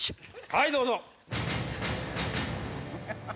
はいどうぞ。